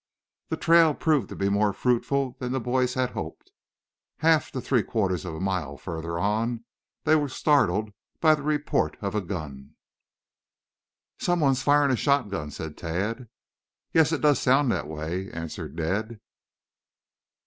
The trail proved to be more fruitful than the boys had hoped. Half to three quarters of a mile farther on they were startled by the report of a gun. "Someone firing a shotgun," said Tad. "Yes, it does sound that way," answered Ned.